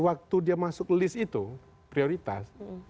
waktu dia masuk list itu prioritas